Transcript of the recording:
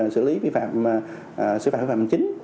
sử lý vi phạm sử phạm chính